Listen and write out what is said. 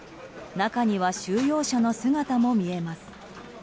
中には収容者の姿も見えます。